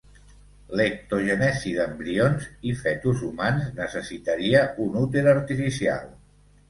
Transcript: L'ectogènesi d'embrions i fetus humans necessitaria un úter artificial.